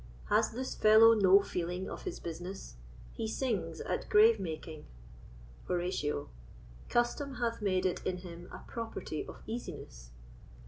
_ Has this fellow no feeling of his business? he sings at grave making. Horatio. Custom hath made it in him a property of easiness.